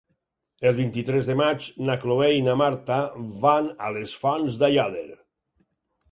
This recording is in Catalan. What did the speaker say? El vint-i-tres de maig na Cloè i na Marta van a les Fonts d'Aiòder.